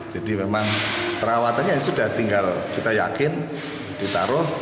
jadi memang perawatannya sudah tinggal kita yakin ditaruh